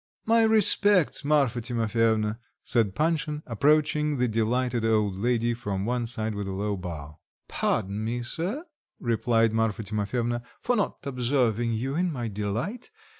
"My respects, Marfa Timofyevna," said Panshin, approaching the delighted old lady from one side with a low bow. "Pardon me, sir," replied Marfa Timofyevna, "for not observing you in my delight.